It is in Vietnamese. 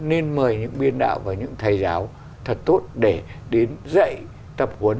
nên mời những biên đạo và những thầy giáo thật tốt để đến dạy tập huấn